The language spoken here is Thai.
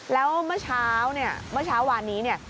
แล้วเมื่อเช้าเนี่ยเมื่อเช้าวานนี้เนี่ย